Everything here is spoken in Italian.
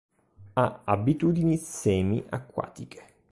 Ha abitudini semi acquatiche.